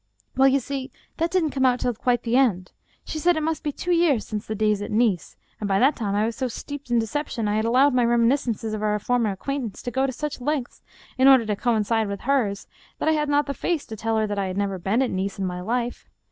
" Well, you see, that didn't come out till quite the end. She said it must be two years since the days at Nice, and by that time I was so steeped in deception and I had al lowed my reminiscences of our former acquaintance to go such lengths in order to coincide with hers, that I had not the face to tell her that I had never been at Nice in my life.